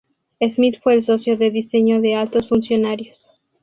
Smith fue el socio de Diseño de Altos Funcionarios.